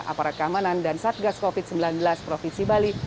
aparat keamanan dan satgas covid sembilan belas provinsi bali